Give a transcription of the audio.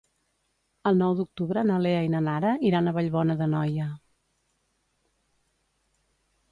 El nou d'octubre na Lea i na Nara iran a Vallbona d'Anoia.